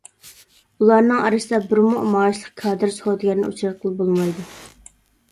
ئۇلارنىڭ ئارىسىدا بىرمۇ مائاشلىق كادىر، سودىگەرنى ئۇچراتقىلى بولمايدۇ.